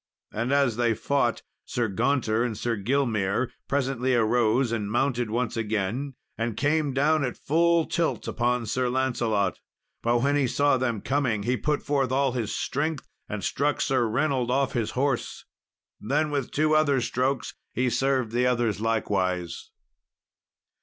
And as they fought, Sir Gaunter and Sir Gilmere presently arose and mounted once again, and came down at full tilt upon Sir Lancelot. But, when he saw them coming, he put forth all his strength, and struck Sir Reynold off his horse. Then, with two other strokes, he served the others likewise.